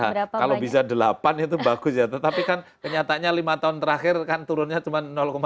nah kalau bisa delapan itu bagus ya tetapi kan kenyataannya lima tahun terakhir kan turunnya cuma empat